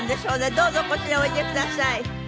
どうぞこちらへおいでください。